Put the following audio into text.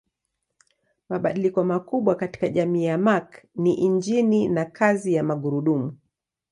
Mabadiliko makubwa katika jamii ya Mark ni injini na kazi ya magurudumu.